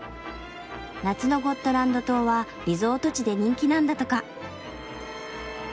夏のゴットランド島はリゾート地で人気なんだとか。